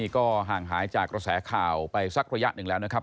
ก็ห่างหายจากกระแสข่าวไปสักระยะหนึ่งแล้วนะครับ